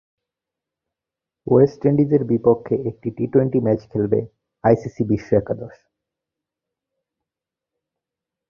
West ইন্ডিজের বিপক্ষে একটি টি টোয়েন্টি ম্যাচ খেলবে আইসিসি বিশ্ব একাদশ।